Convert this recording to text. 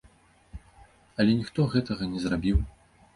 Але ніхто гэтага не зрабіў.